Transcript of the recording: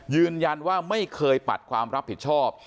ยืนยันว่าไม่เคยปัดความรับผิดชอบ